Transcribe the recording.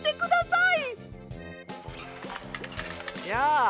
やあ！